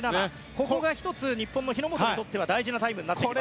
ここが１つ日本の日本にとって大事なタイムになります。